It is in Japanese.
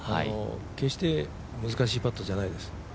決して難しいパットではないです。